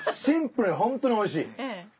シンプルでホントにおいしい。